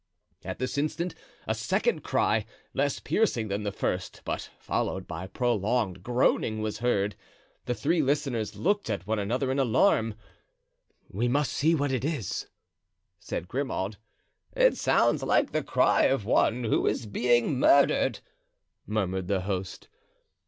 At this instant a second cry, less piercing than the first, but followed by prolonged groaning, was heard. The three listeners looked at one another in alarm. "We must see what it is," said Grimaud. "It sounds like the cry of one who is being murdered," murmured the host.